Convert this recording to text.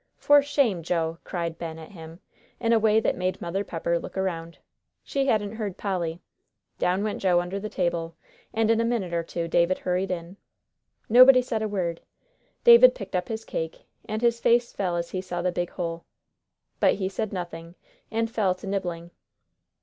"For shame, Joe!" cried Ben at him, in a way that made Mother Pepper look around. She hadn't heard Polly. Down went Joe under the table, and in a minute or two David hurried in. Nobody said a word. David picked up his cake, and his face fell as he saw the big hole. But he said nothing, and fell to nibbling.